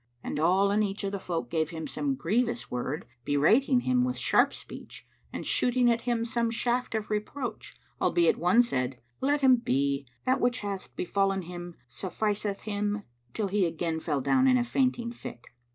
And all and each of the folk gave him some grievous word, berating him with sharp speech, and shooting at him some shaft of reproach, albeit one said, "Let him be; that which hath befallen him sufficeth him," till he again fell down in a fainting fit.